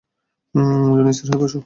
Johnny, স্থির হয়ে বসো।